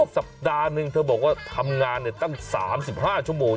สัปดาห์หนึ่งเธอบอกว่าทำงานตั้ง๓๕ชั่วโมง